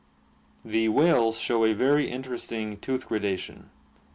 The whales show a very interesting tooth gradation.